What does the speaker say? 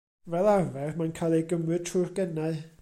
Fel arfer mae'n cael ei gymryd trwy'r genau.